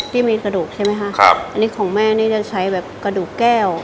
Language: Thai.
ที่มีกระดูกใช่ไหมคะครับอันนี้ของแม่นี่จะใช้แบบกระดูกแก้ว